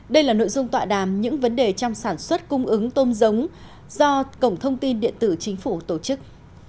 đây là nội dung tọa đàm những vấn đề trong sản xuất cung ứng tôm giống do cổng thông tin điện tử chính phủ tổ chức